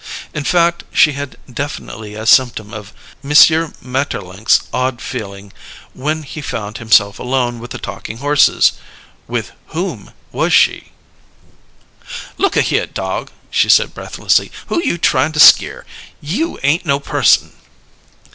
In fact, she had definitely a symptom of M. Maeterlinck's awed feeling when he found himself left alone with the talking horses: "With whom was she?" "Look a here, dog!" she said breathlessly. "Who you tryin' to skeer? You ain't no person!"